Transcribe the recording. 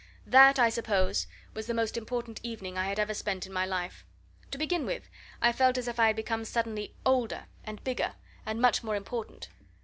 That, I suppose, was the most important evening I had ever spent in my life. To begin with, I felt as if I had suddenly become older, and bigger, and much more important.